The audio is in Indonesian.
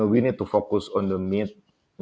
kita harus fokus pada